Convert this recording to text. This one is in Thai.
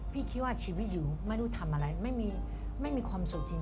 คิดว่าชีวิตอยู่ไม่รู้ทำอะไรไม่มีความสุขจริง